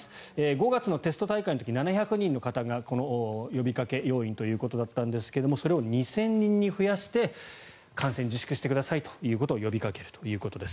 ５月のテスト大会の時は７００人の方がこの呼びかけ要員ということだったんですがそれを２０００人に増やして観戦を自粛してくださいと呼びかけるということです。